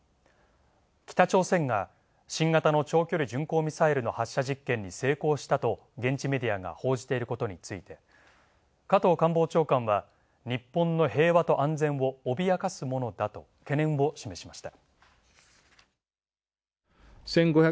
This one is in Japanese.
北朝鮮が新型の長距離巡航ミサイルの発射実験に成功したと現地メディアが報じていることについて加藤官房長官は「日本の平和と安全を脅かすものだ」と懸念を示しました。